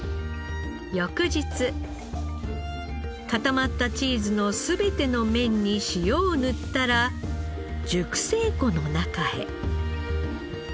固まったチーズの全ての面に塩を塗ったら熟成庫の中へ。